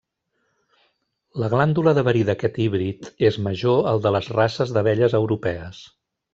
La glàndula de verí d'aquest híbrid és major al de les races d'abelles europees.